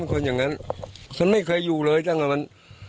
คนอย่างนั้นฉันไม่เคยอยู่เลยตั้งแต่มัน